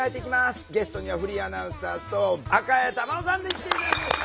ゲストにはフリーアナウンサーそう赤江珠緒さんに来て頂きました。